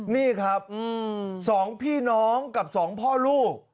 นี่ครับสองพี่น้องกับสองพ่อลูก